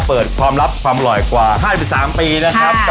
เปิดความลับความอร่อยกว่าห้าด้วยสามปีนะครับค่ะ